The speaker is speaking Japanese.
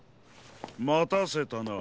またせたな。